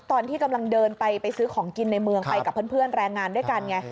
ตอนที่กำลังเดินไปซื้อของกินในเมืองไปกับเพื่อนแรงงานด้วยกันไง